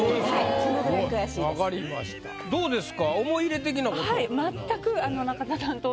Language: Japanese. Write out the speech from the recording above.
そうですか。